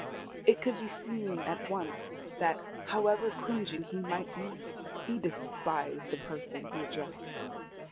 It could be seen at once that, however cringing he might be, he despised the person he addressed.